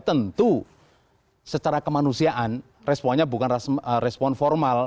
tentu secara kemanusiaan responnya bukan respon formal